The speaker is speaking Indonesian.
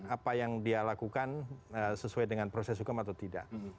apa yang dia lakukan sesuai dengan proses hukum atau tidak